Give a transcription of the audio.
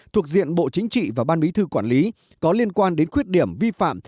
thuộc diện bộ chính trị và ban bí thư quản lý có liên quan đến khuyết điểm vi phạm